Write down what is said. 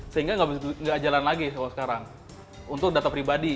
sehingga nggak jalan lagi kalau sekarang untuk data pribadi